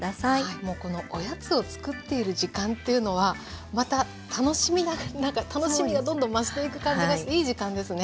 もうこのおやつをつくっている時間っていうのはまた楽しみながらなんか楽しみがどんどん増していく感じがしていい時間ですね。